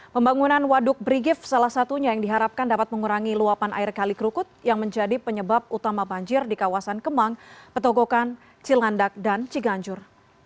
pembangunan waduk brigif salah satunya yang diharapkan dapat mengurangi luapan air kali kerukut yang menjadi penyebab utama banjir di kawasan kemang petogokan cilandak dan ciganjur